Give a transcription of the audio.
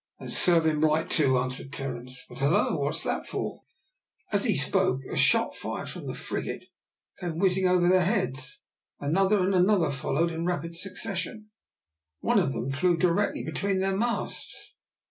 "And serve him right too," answered Terence. "But, hillo, what is that for?" As he spoke a shot fired from the frigate came whizzing over their heads. Another and another followed in rapid succession. One of them flew directly between their masts.